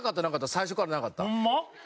最初からなかった。